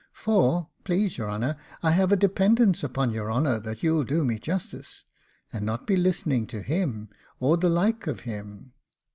For, please your honour, I have a dependence upon your honour that you'll do me justice, and not be listening to him or the like of him.